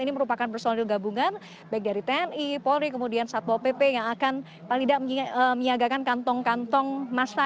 ini merupakan personil gabungan baik dari tni polri kemudian satpol pp yang akan paling tidak menyiagakan kantong kantong massa